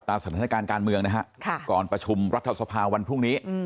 สถานการณ์การเมืองนะฮะก่อนประชุมรัฐสภาวันพรุ่งนี้